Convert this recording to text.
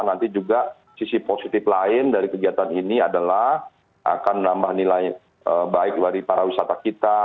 nanti juga sisi positif lain dari kegiatan ini adalah akan menambah nilai baik dari para wisata kita